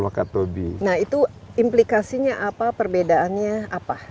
nah itu implikasinya apa perbedaannya apa